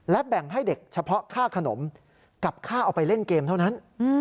แบ่งให้เด็กเฉพาะค่าขนมกับค่าเอาไปเล่นเกมเท่านั้น